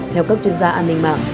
theo các chuyên gia an ninh mạng